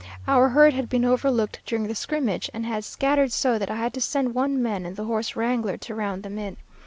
Our herd had been overlooked during the scrimmage, and had scattered so that I had to send one man and the horse wrangler to round them in.